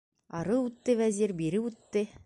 Ары үтте Вәзир, бире үтте.